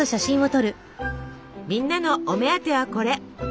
みんなのお目当てはこれ。